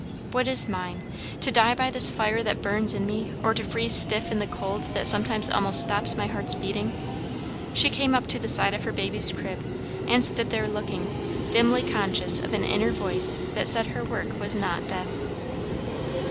What is mine? To die by this fire that burns in me; or to freeze stiff in the cold that sometimes almost stops my heart's beating? She came up to the side of her baby's crib and stood there looking, dimly conscious of an inner voice that said her work was not death.